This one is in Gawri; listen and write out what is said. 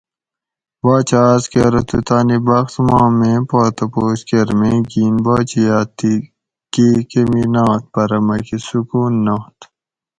باچہ آس کہ ارو تو تانی بخت ما میں پا تپوس کرۤ میں گین باچیات تھی کی کۤمی نات پرہ مکہ سکون نات